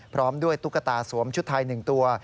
พร้อมด้วยตุ๊กตาสวมชุดไทย๑ตัว